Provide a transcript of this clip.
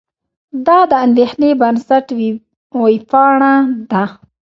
دا د اندېښې بنسټ وېبپاڼه ده.